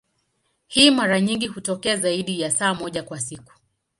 Hii mara nyingi hutokea zaidi ya saa moja kwa siku.